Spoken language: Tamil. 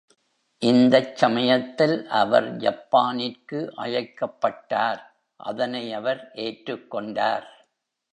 இந்தச் சமயத்தில் அவர் ஜப்பானிற்கு அழைக்கப்பட்டார், அதனை அவர் ஏற்றுக்கொண்டார்.